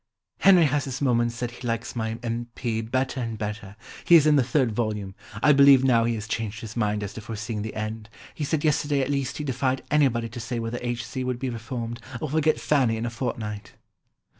"Henry has this moment said he likes my M. P. better and better; he is in the third volume; I believe now he has changed his mind as to foreseeing the end; he said yesterday at least he defied anybody to say whether H. C. would be reformed or forget Fanny in a fortnight."